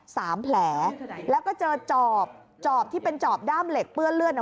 สามแผลแล้วก็เจอจอบจอบที่เป็นจอบด้ามเหล็กเปื้อนเลือดอ่ะ